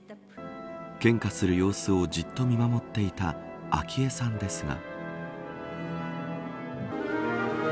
献花する様子をじっと見守っていた昭恵さんですが。